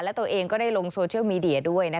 และตัวเองก็ได้ลงโซเชียลมีเดียด้วย